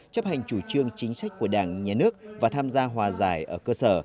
chấp hành chủ trương chính sách của đảng nhà nước và tham gia hòa giải ở cơ sở